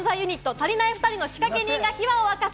・たりないふたりの仕掛け人が秘話を明かす